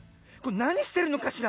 なにしてるのかしら。